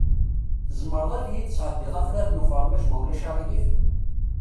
Tzemreḍ ad yi-d-tesɛeddiḍ afrar n ufermaj, ma ulac aɣilif?